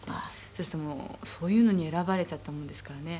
「そうするとそういうのに選ばれちゃったものですからね」